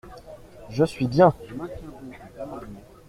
Je suis bien.